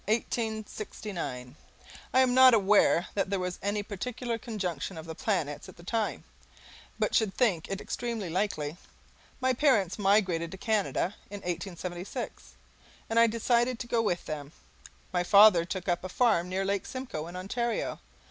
I am not aware that there was any particular conjunction of the planets at the time, but should think it extremely likely. My parents migrated to Canada in 1876, and I decided to go with them. My father took up a farm near Lake Simcoe, in Ontario.